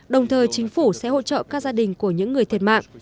đồng thời chính phủ sẽ hỗ trợ các gia đình của những người thiệt mạng